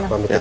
pamit ya pak